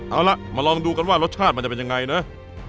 เอาล่ะมาลองดูกันว่ารสชาติมันจะเป็นยังไงนะ